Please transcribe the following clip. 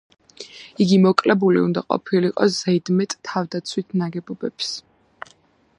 იგი მოკლებული უნდა ყოფილიყო ზედმეტ თავდაცვით ნაგებობებს.